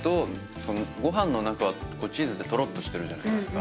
ご飯の中はチーズでとろっとしてるじゃないですか。